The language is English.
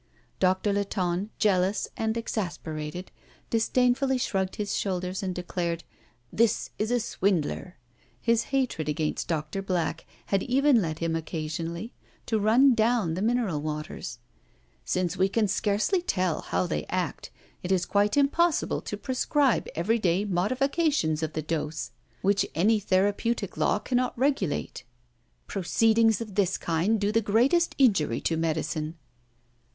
Doctor Latonne, jealous and exasperated, disdainfully shrugged his shoulders, and declared: "This is a swindler!" His hatred against Doctor Black had even led him occasionally to run down the mineral waters. "Since we can scarcely tell how they act, it is quite impossible to prescribe every day modifications of the dose, which any therapeutic law cannot regulate. Proceedings of this kind do the greatest injury to medicine."